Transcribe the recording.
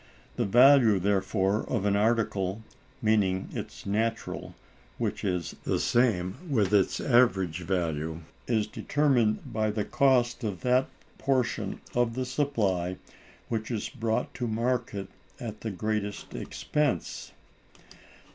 The value, therefore, of an article (meaning its natural, which is the same with its average value) is determined by the cost of that portion of the supply which is produced and brought to market at the greatest expense.